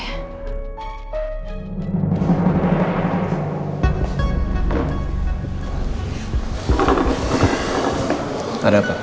aku ke rumahnya aja deh